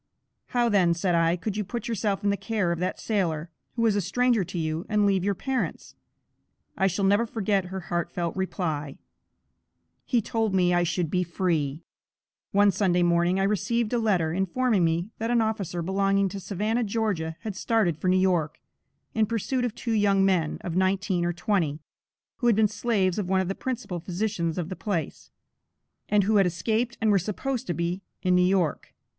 "How then," said I, "could you put yourself in the care of that sailor, who was a stranger to you, and leave your parents?" I shall never forget her heart felt reply: "He told me I should be free!" One Sunday morning, I received a letter, informing me that an officer belonging to Savannah, Ga., had started for New York, in pursuit of two young men, of nineteen or twenty, who had been slaves of one of the principal physicians of the place, and who had escaped and were supposed to be in New York.